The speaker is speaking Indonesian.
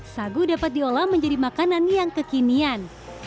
sagu dapat diolah menjadi makanan yang kekinian